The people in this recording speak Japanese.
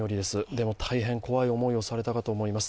でも、大変怖い思いをされたかと思います。